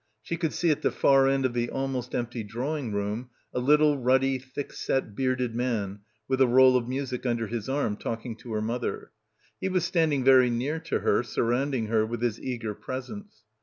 She could see at the far end of the almost empty drawing room a little ruddy thick set bearded man with a roll of music under his arm talking to her mother. He was standing very near to her, surrounding her with his eager presence.